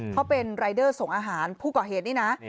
เขาเป็นรายเดอร์ส่งอาหารผู้ก่อเหตุนี่นะ